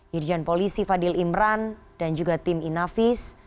irjen polisi fadil imran dan juga tim inavis